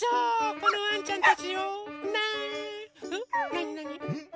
なになに？